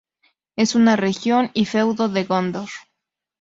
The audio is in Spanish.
Es una región y feudo de Gondor.